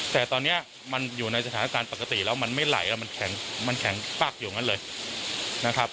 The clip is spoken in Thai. แต่ตอนนี้มันอยู่ในสถานการณ์ปกติแล้วมันไม่ไหลแล้วมันแข็งมันแข็งปักอยู่อย่างนั้นเลยนะครับ